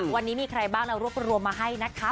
วันนี้มีใครบ้างเรารวบรวมมาให้นะคะ